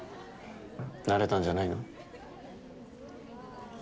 なれたんじゃないの？